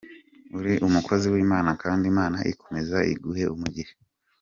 Uri umukozi w’Imana kandi Imana ikomeze iguhe umugisha”.